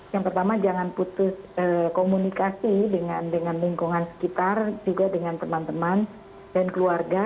yang pertama jangan putus komunikasi dengan lingkungan sekitar juga dengan teman teman dan keluarga